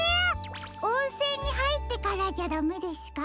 おんせんにはいってからじゃダメですか？